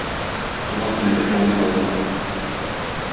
Туган телдә шаулый таллар.